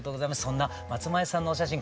そんな松前さんのお写真